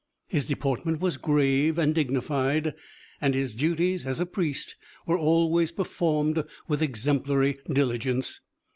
His deportment was grave and dignified, and his duties as a priest were always performed with exemplary diligence.